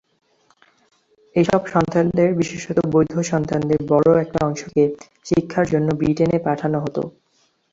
এসব সন্তানদের বিশেষত বৈধ সন্তানদের বড় একটা অংশকে শিক্ষার জন্য ব্রিটেনে পাঠানো হতো।